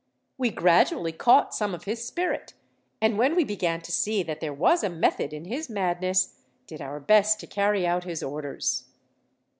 We gradually caught some of his spirit, and when we began to see that there was a method in his madness, did our best to carry out his orders."